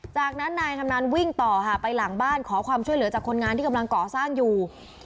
จากนั้นนายชำนาญวิ่งต่อค่ะไปหลังบ้านขอความช่วยเหลือจากคนงานที่กำลังก่อสร้างอยู่